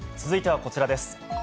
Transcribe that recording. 続いてはこちらです。